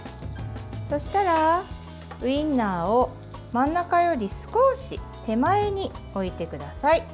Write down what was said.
そうしたら、ウインナーを真ん中より少し手前に置いてください。